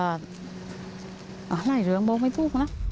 อาล่ายเหลืองบอกไม่ถูกนะ